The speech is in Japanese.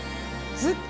ずっと。